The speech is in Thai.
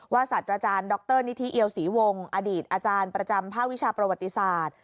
ศาสตราจารย์ดรนิธิเอียวศรีวงอดีตอาจารย์ประจำภาควิชาประวัติศาสตร์